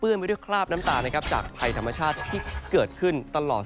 ไปด้วยคราบน้ำตานะครับจากภัยธรรมชาติที่เกิดขึ้นตลอด